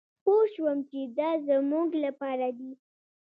پوه شوم چې دا زمونږ لپاره دي.